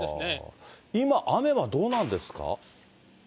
今、雨はどうなんですか。